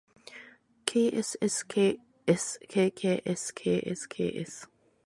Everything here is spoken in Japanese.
ｋｓｓｋｓｋｋｓｋｓｋｓ